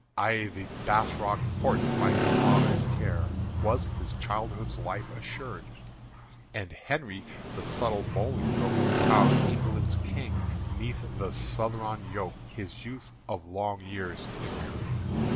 I' the Bass Rock fort, by his father's care, Was his childhood's life assured; And Henry the subtle Bolingbroke, Proud England's King, 'neath the southron yoke His youth for long years immured.